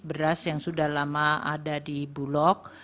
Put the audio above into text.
beras yang sudah lama ada di bulog